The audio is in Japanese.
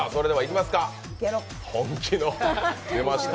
本気の出ました